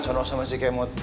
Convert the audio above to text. senang sama si kemod